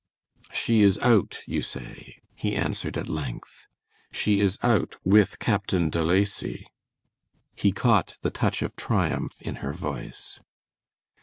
"She is out, you say?" he answered at length. "She is out with Captain De Lacy." He caught the touch of triumph in her voice.